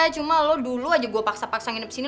cuma lo dulu aja gue paksa paksa nginep sini